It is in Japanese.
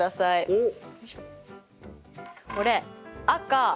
おっ？